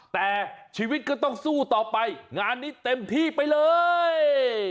แต่ชีวิตก็ต้องสู้ต่อไปงานนี้เต็มที่ไปเลย